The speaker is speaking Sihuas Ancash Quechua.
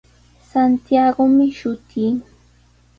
Santiagomi shutii.